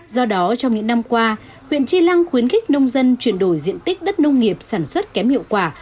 do đó trong những năm qua huyện tri lăng khuyến khích nông dân chuyển đổi diện tích đất nông nghiệp sản xuất kém hiệu quả